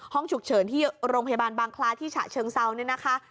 ห้องฉุกเฉินที่โรงพยาบาลบางคล้าที่ฉะเชิงเซาเนี่ยนะคะ